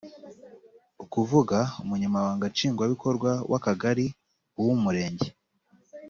ukuvuga Umunyamabanga Nshingwabikorwa w akagari uw umurenge